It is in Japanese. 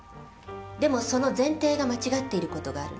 でもその前提が間違っている事があるの。